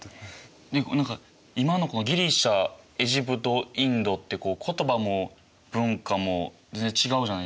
今のギリシアエジプトインドって言葉も文化も全然違うじゃないですか。